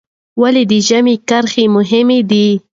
ولې د ژامې کرښه مهمه ده؟